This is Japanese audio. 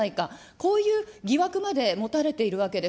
こういう疑惑まで持たれているわけです。